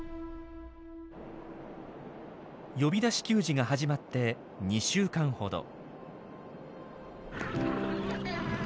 呼び出し給餌が始まって２週間ほど。